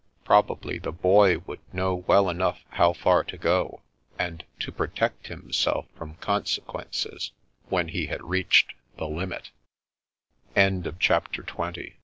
Probably the Boy would know wdl enough how far to go, and to protect himself from consequences when he had reached the